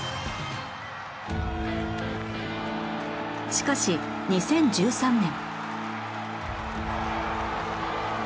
しかし２０１３年